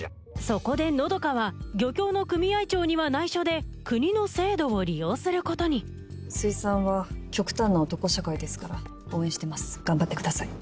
そこで和佳は漁協の組合長には内緒で国の制度を利用することに水産は極端な男社会ですから応援してます頑張ってください。